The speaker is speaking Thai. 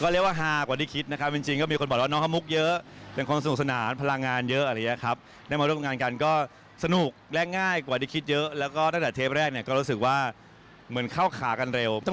ไปก่อนเสียงสัมภาษณ์กันหน่อยค่ะ